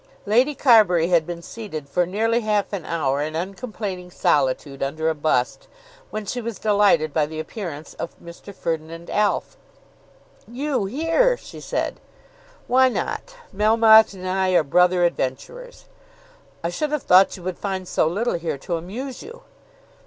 Lady Carbury had been seated for nearly half an hour in uncomplaining solitude under a bust, when she was delighted by the appearance of Mr. Ferdinand Alf. "You here?" she said. "Why not? Melmotte and I are brother adventurers." "I should have thought you would find so little here to amuse you."